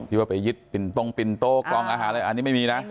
ว่าไปยึดปิ่นตรงปิ่นโต้กล่องอาหารอะไรอันนี้ไม่มีนะ